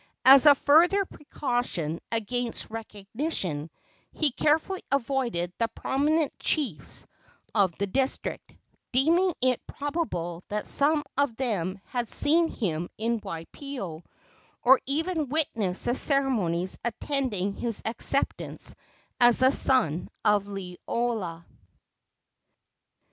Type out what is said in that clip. As a further precaution against recognition, he carefully avoided the prominent chiefs of the district, deeming it probable that some of them had seen him in Waipio, or even witnessed the ceremonies attending his acceptance as the son of Liloa.